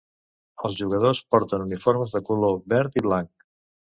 Els jugadors porten uniformes de color verd i blanc.